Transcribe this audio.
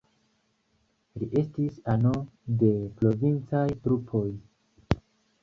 Li estis ano de provincaj trupoj.